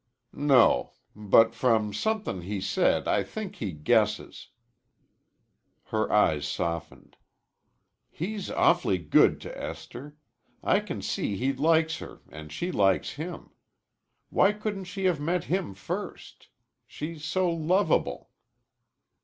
"No. But from somethin' he said I think he guesses." Her eyes softened. "He's awf'ly good to Esther. I can see he likes her and she likes him. Why couldn't she have met him first? She's so lovable."